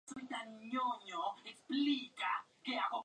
Aún siendo una estudiante, acompañó a Lionel Hampton en una gira por Europa.